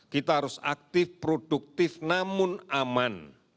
kita harus aktif produktif namun aman